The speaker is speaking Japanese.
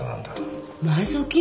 埋蔵金？